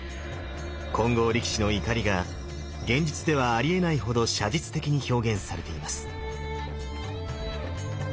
金剛力士の怒りが現実ではありえないほど写実的に表現されています。